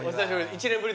１年ぶり。